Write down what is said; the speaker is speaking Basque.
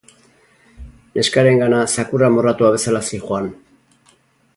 Neskarengana zakur amorratua bezala zihoan.